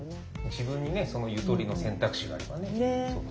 自分にねそのゆとりの選択肢があればね対応できる。